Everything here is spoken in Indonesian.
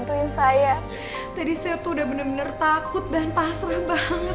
terima kasih tadi saya tuh udah bener bener takut dan pasrah banget